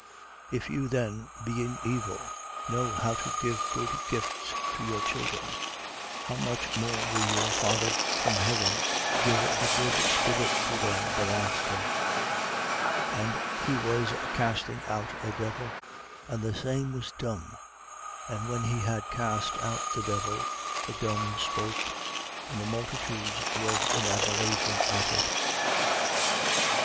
11:13. If you then, being evil, know how to give good gifts to your children, how much more will your Father from heaven give the good Spirit to them that ask him? 11:14. And he was casting out a devil: and the same was dumb. And when he had cast out the devil, the dumb spoke: and the multitudes, were in admiration at it. 11:15.